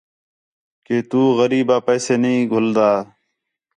کہ تُو غریبا پیسے نہیں گِھن٘دا